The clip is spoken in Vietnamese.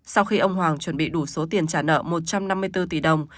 sau khi ông hoàng chuẩn bị đủ số tiền trả nợ một trăm năm mươi bốn tỷ đồng